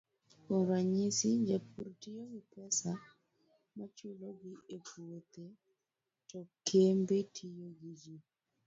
Kuom ranyisi, jopur tiyo gi pesa michulogi e puothe, to kembe tiyo gi ji.